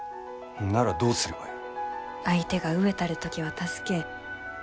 ならどうすればよい。